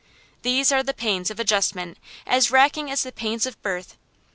These are the pains of adjustment, as racking as the pains of birth.